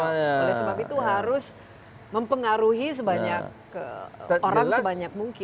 oleh sebab itu harus mempengaruhi sebanyak orang sebanyak mungkin